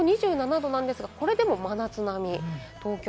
札幌も２７度なんですが、これでも真夏並み。